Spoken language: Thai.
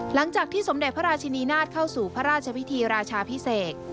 หลังจากที่สมเด็จพระราชินีนาฏเข้าสู่พระราชพิธีราชาพิเศษ